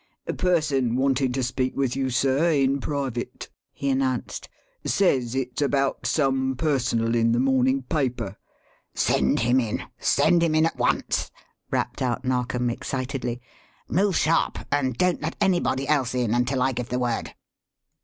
"Person wanting to speak with you, sir, in private," he announced. "Says it's about some Personal in the morning paper." "Send him in send him in at once!" rapped out Narkom excitedly. "Move sharp; and don't let anybody else in until I give the word."